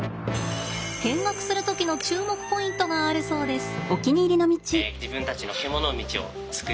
見学する時の注目ポイントがあるそうです。